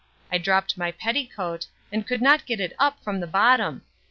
I dropt my petticoat, and could not get it up from the bottom.